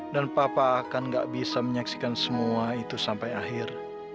dan papa akan gak bisa menyaksikan semua itu sampai akhir